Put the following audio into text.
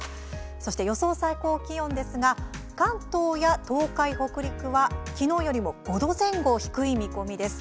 そして予想最高気温ですが関東や東海、北陸は昨日よりも５度前後低い見込みです。